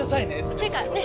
ってかね